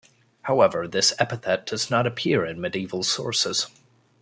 However, this epithet does not appear in medieval sources.